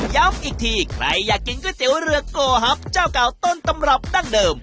ย้ำอีกทีใครอยากกินก๋วยเตี๋ยวเรือโกฮับเจ้าเก่าต้นตำรับดั้งเดิม